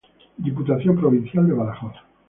Diputación Provincial de Badajoz.